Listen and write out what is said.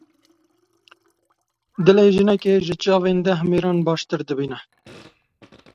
Dilê jinekê ji çavên deh mêran baştir dibîne.